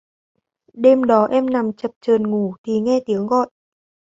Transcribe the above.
Đêm đó em nằm chập chờn ngủ thì nghe tiếng gọi